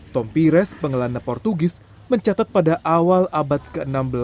tompires pengelana portugis mencatat pada awal abad ke enam belas